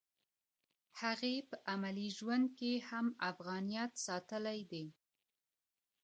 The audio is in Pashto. هغې په عملي ژوند کې هم افغانیت ساتلی دی